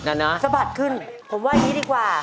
ก็เตะค่ะ